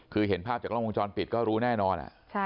คือเห็นภาพจากล้องวงจรปิดก็รู้แน่นอน